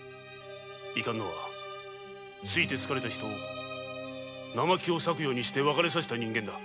いかんのは好いて好かれた人を生木を裂くようにして別れさせた人間だ。